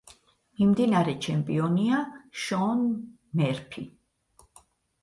მიმდინარე ჩემპიონია შონ მერფი.